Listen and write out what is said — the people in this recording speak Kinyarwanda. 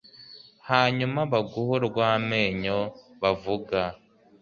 hanyuma baguhe urw’amenyo bavuga